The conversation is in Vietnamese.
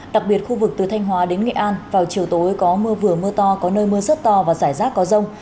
đặc biệt khu vực từ thanh hóa đến nghệ an vào chiều tối có mưa vừa mưa to có nơi mưa rất to và rải rác có rông